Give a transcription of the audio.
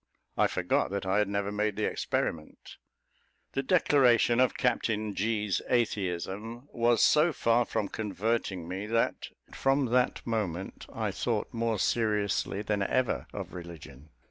I forgot that I had never made the experiment. The declaration of Captain G.'s atheism was so far from converting me, that from that moment I thought more seriously than ever of religion.